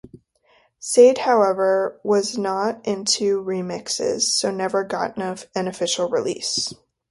Sadehowever, was not into remixes so never got an official release.